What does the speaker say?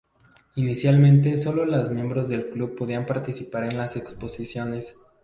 Inicialmente, solo las miembros del club podían participar en las exposiciones.